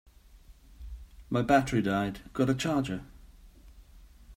My battery died, got a charger?